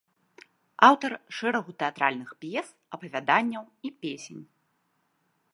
Аўтар шэрагу тэатральных п'ес, апавяданняў і песень.